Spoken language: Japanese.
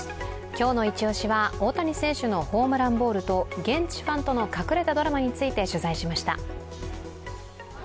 今日のイチオシは大谷選手のホームランボールと現地ファンとの隠れたドラマについて取材しました。